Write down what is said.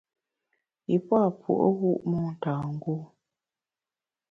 Yi pua’ puo’wu’ motângû.